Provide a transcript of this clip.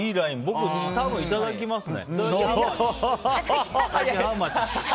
僕、多分いただきますね。